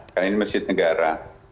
karena ini masjid negara